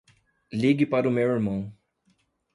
Ligue para o meu irmão.